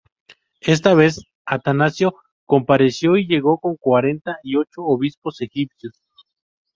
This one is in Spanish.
Esta vez, Atanasio compareció y llegó con cuarenta y ocho obispos egipcios.